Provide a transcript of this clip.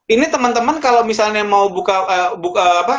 ini teman teman kalau misalnya mau buka apa